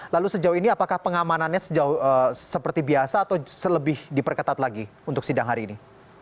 lalu sejauh ini apakah pengamanannya sejauh seperti biasa atau selebih diperketat lagi untuk sidang hari ini